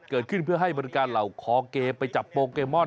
เกิดขึ้นเพื่อให้บริการเหล่าคอเกมไปจับโปเกมอน